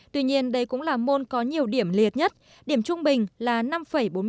tuy nhiên đây cũng là môn có nhiều điểm liệt nhất điểm trung bình là năm bốn mươi tám